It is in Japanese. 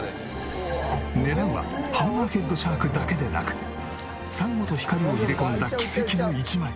狙うはハンマーヘッドシャークだけでなく珊瑚と光を入れ込んだ奇跡の一枚。